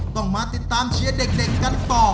ต้องมาติดตามเชียร์เด็กกันต่อ